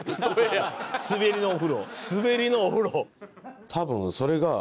「スベりのお風呂」。